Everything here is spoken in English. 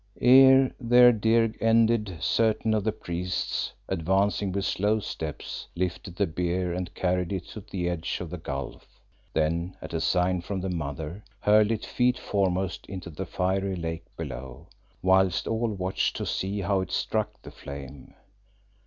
Ere their dirge ended certain of the priests, advancing with slow steps, lifted the bier and carried it to the edge of the gulf; then at a sign from the Mother, hurled it feet foremost into the fiery lake below, whilst all watched to see how it struck the flame.